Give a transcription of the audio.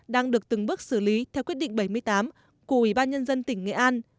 đang được từng bước xử lý theo quyết định bảy mươi tám của ủy ban nhân dân tỉnh nghệ an